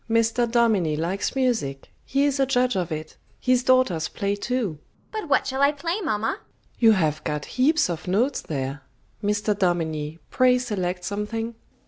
Mr. Dominie likes music; he is a judge of it; his daughters play too. FATIMA. But what shall I play, mamma? MRS. N. You have got heaps of notes there. Mr. Dominie, pray select something.